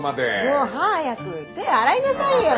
ほら早く手ぇ洗いなさいよ